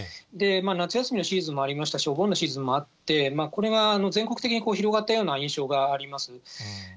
夏休みのシーズンもありましたし、お盆のシーズンもあって、これが全国的に広がったような印象があります。